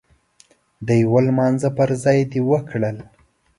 د يو لمانځه پر ځای دې وکړل.